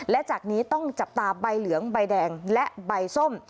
และจากนี้ต้องจับตาใบเหลืองใบแดงและใบส้ม